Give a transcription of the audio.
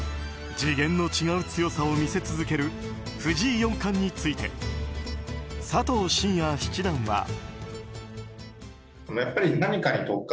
次元の違う強さを見せ続ける藤井四冠について佐藤紳哉七段は。